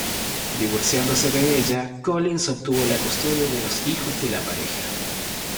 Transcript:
Divorciándose de ella, Collins obtuvo la custodia de los hijos de la pareja.